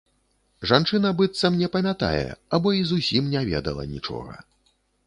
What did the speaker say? Жанчына быццам не памятае або і зусім не ведала нічога.